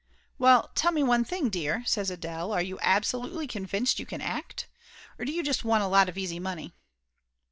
"Well, tell me one thing, dear," says Adele. "Are you absolutely convinced you can act? Or do you just want a lot of easy money?"